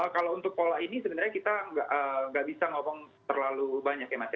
kalau untuk pola ini sebenarnya kita nggak bisa ngomong terlalu banyak ya mas ya